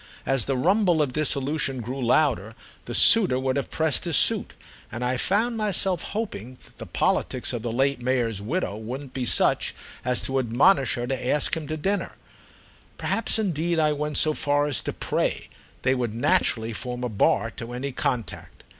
As the rumble of dissolution grew louder the suitor would have pressed his suit, and I found myself hoping the politics of the late Mayor's widow wouldn't be such as to admonish her to ask him to dinner; perhaps indeed I went so far as to pray, they would naturally form a bar to any contact.